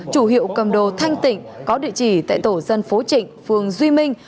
chủ hiệu cầm đồ thanh tịnh có địa chỉ tại tổ dân phố trịnh phường duy minh